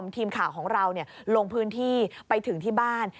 ทีมข่าวของเราลงพื้นที่ไปถึงที่บ้าน